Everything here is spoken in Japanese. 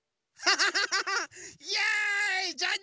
ハハハハ！